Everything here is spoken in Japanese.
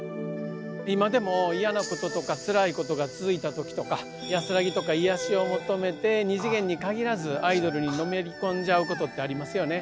今でも嫌なこととかつらいことが続いたときとか安らぎとかいやしを求めて２次元に限らずアイドルにのめり込んじゃうことってありますよね。